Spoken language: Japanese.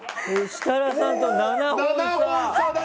設楽さんと７本差。